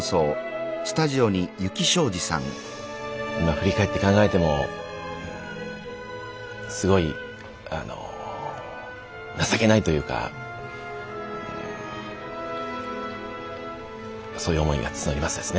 今振り返って考えてもすごいあの情けないというかそういう思いが募りますですね。